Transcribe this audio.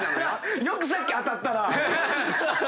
よくさっき当たったな。